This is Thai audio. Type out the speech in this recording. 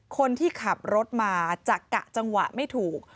คนที่ขับรถมาจะกะจังหวะไม่ถูก